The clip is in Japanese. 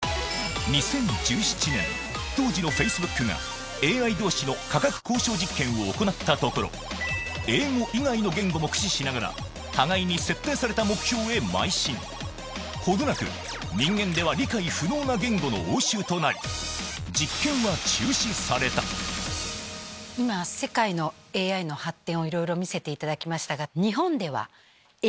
２０１７年当時のフェイスブックがＡＩ同士の価格交渉実験を行ったところ英語以外の言語も駆使しながら互いに設定された目標へまい進程なく人間では理解不能な言語の応酬となり今世界のＡＩの発展をいろいろ見せていただきましたが。